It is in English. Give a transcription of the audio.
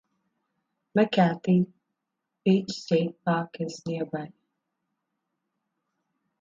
McCarthy Beach State Park is nearby.